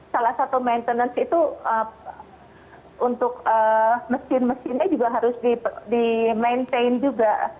salah satu maintenance itu untuk mesin mesinnya juga harus di maintain juga